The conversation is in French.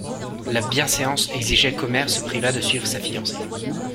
La bienséance exigeait qu'Omer se privât de suivre sa fiancée.